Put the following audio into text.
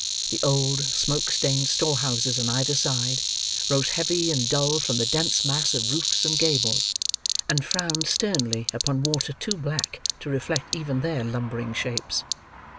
The old smoke stained storehouses on either side, rose heavy and dull from the dense mass of roofs and gables, and frowned sternly upon water too black to reflect even their lumbering shapes.